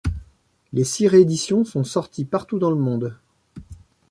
Les six rééditions sont sorties partout dans le monde.